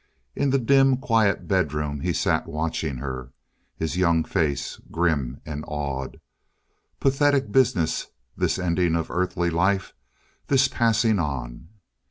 In the dim quiet bedroom he sat watching her, his young face grim and awed. Pathetic business, this ending of earthly life, this passing on.